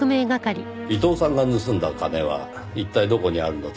伊藤さんが盗んだ金は一体どこにあるのでしょう？